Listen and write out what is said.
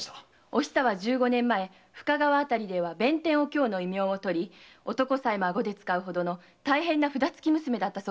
お久は十五年前深川辺りでは“弁天お京”の異名を取り男を顎で使う大変な札つき娘だったそうです。